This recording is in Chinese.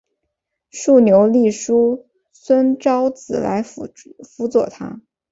竖牛立叔孙昭子来辅佐他。